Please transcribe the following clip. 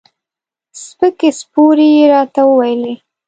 سپکې سپورې یې راته وویلې.